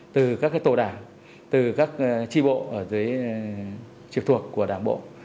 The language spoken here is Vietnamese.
từ các tổ đảng từ các tri bộ ở dưới trực thuộc của đảng bộ